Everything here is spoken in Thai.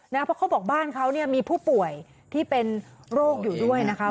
เพราะเขาบอกบ้านเขาเนี่ยมีผู้ป่วยที่เป็นโรคอยู่ด้วยนะคะ